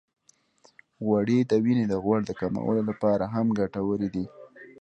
غوړې د وینې د غوړ د کمولو لپاره هم ګټورې دي.